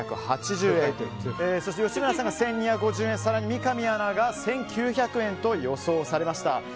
そして、吉村さんが１２５０円で更に三上アナが１９００円と予想されました。